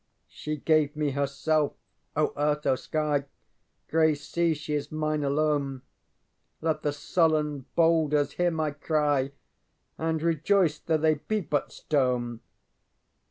ŌĆ£She gave me herself, O Earth, O Sky; Grey sea, she is mine alone! Let the sullen boulders hear my cry, And rejoice thoŌĆÖ they be but stone!